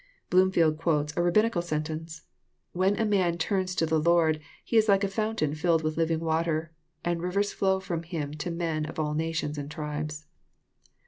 Bloomfleld quotes a Rabbinical sentence,— <* When a man turns to the Lord, he is like a fountain filled with living water, and rivers fiow f^om him to men of ail nations and tribes."